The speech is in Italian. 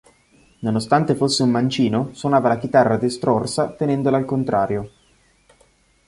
Nonostante fosse un mancino, suonava la chitarra destrorsa tenendola al contrario.